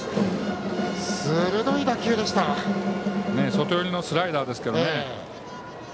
外寄りのスライダーですけどね。